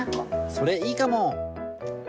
それいいかも。